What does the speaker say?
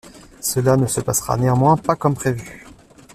Cela ne se passera néanmoins pas comme prévu.